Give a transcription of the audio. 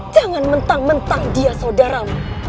jangan mentang mentang dia saudaramu